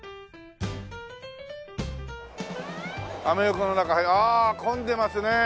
アメ横の中あ混んでますね。